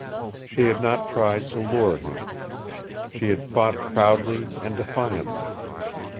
She had not tried to lure him. She had fought proudly and defiantly.